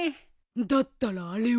だったらあれは？